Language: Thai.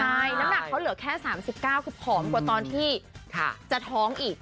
ใช่น้ำหนักเขาเหลือแค่๓๙คือผอมกว่าตอนที่จะท้องอีก